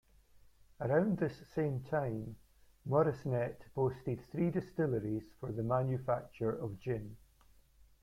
Around this same time, Moresnet boasted three distilleries for the manufacture of gin.